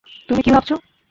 তুমি কি ভাবছো?